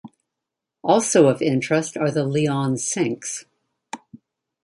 Also of interest are the Leon Sinks.